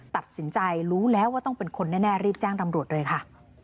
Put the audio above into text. ตัดสินใจรู้แล้วว่าต้องเป็นคนแน่รีบแจ้งตำรวจเลยค่ะ